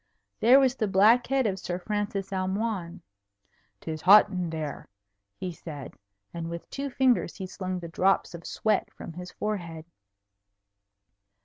There was the black head of Sir Francis Almoign. "'Tis hot in there," he said; and with two fingers he slung the drops of sweat from his forehead.